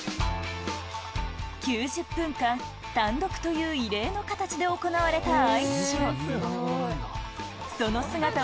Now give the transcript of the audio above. ９０分間、単独という異例の形で行われたアイスショー。